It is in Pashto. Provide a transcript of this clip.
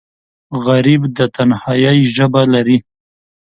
غریب د تنهایۍ ژبه لري